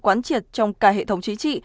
quán triệt trong cả hệ thống trí trị